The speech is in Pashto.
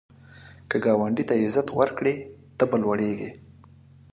که ګاونډي ته عزت ورکړې، ته به لوړیږې